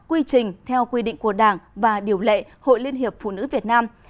quy trình theo quy định của đảng và điều lệ hội liên hiệp phụ nữ việt nam